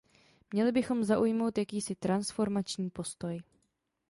Měli bychom zaujmout jakýsi transformační postoj.